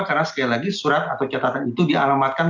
karena sekali lagi surat atau catatan itu dialamatkan ke penyelidikan